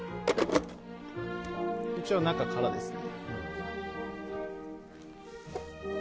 一応、中、からですね。